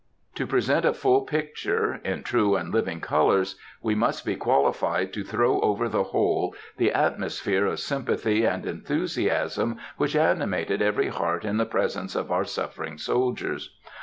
To present a full picture, in true and living colors, we must be qualified to throw over the whole the atmosphere of sympathy and enthusiasm which animated every heart in presence of our suffering soldiers.